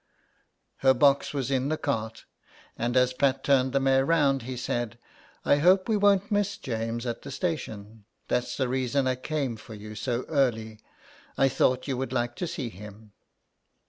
Her box was in the cart, and as Pat turned the mare round he said :'' I hope we won't miss James at the station. That's the reason I came for you so early. I thought you would like to see him."